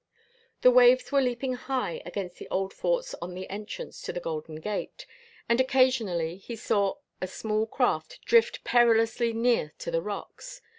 The waves were leaping high against the old forts at the entrance to the Golden Gate, and occasionally he saw a small craft drift perilously near to the rocks.